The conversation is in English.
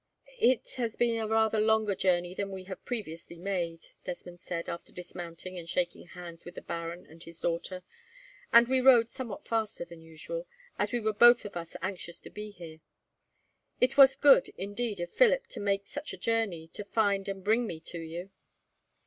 "It has been a rather longer journey than we have previously made," Desmond said, after dismounting and shaking hands with the baron and his daughter, "and we rode somewhat faster than usual, as we were both of us anxious to be here. It was good, indeed, of Philip to make such a journey to find and bring me to you."